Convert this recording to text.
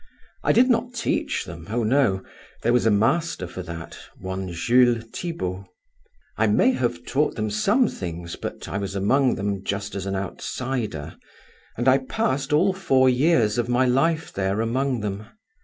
I did not teach them, oh no; there was a master for that, one Jules Thibaut. I may have taught them some things, but I was among them just as an outsider, and I passed all four years of my life there among them.